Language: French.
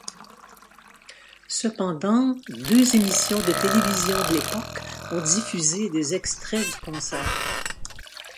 Cependant deux émissions de télévision de l'époque ont diffusé des extraits du concert.